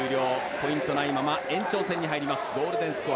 ポイントないまま延長戦に入ります。